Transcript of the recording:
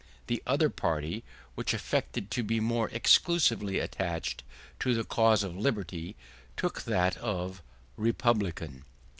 The other party, which affected to be more exclusively attached to the cause of liberty, took that of Republican.